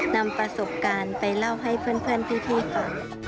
นำประสบการณ์ไปเล่าให้เพื่อนพี่ฟัง